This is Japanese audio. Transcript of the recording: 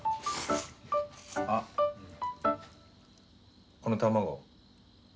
あっこの卵。